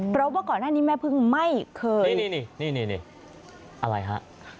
เพราะว่าก่อนหน้านี้แม่พึ่งไม่เคยนี่นี่อะไรฮะ